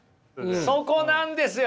そこなんですよ！